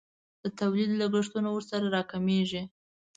د تولید لګښتونه ورسره راکمیږي.